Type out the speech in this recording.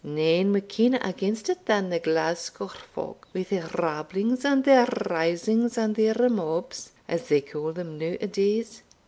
Nane were keener against it than the Glasgow folk, wi' their rabblings and their risings, and their mobs, as they ca' them now a days.